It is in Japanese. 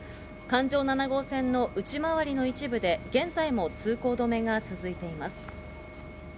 環状七号線の内回りの一部で現在も通行止めが続いています。